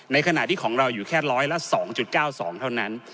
ในขณะที่ของเราอยู่แค่ร้อยละ๒๙๒เท่านั้น